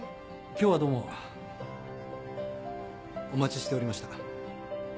・今日はどうも・お待ちしておりました。